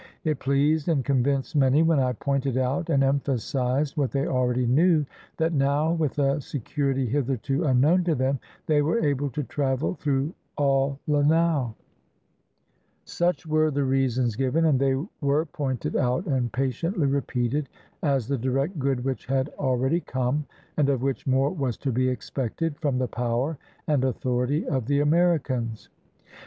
It pleased and convinced many when I pointed out and emphasized, what they already knew, that now, with a security hitherto unknown to them, they were able to travel through all Lanao. 558 PREPARING OUR MOROS FOR GOVERNMENT Such were the reasons given, and they were pointed out and patiently repeated as the direct good which had already come, and of which more was to be expected, from the power and authority of the Americans.